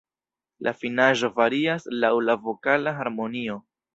La finaĵo varias laŭ la vokala harmonio.